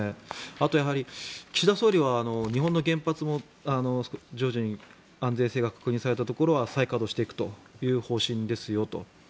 あと、岸田総理は日本の原発も順次安全性が確認されたところは再稼働していくという方針ですよと。